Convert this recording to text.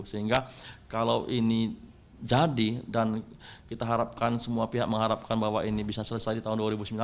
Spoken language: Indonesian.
sehingga kalau ini jadi dan kita harapkan semua pihak mengharapkan bahwa ini bisa selesai di tahun dua ribu sembilan belas